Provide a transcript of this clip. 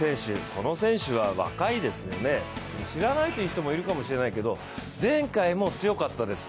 この選手は若いですね、知らないという人もいるかもしれないけど前回も強かったです。